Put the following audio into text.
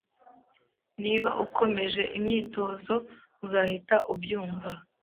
Niba ukomeje imyitozo, uzahita ubyumva.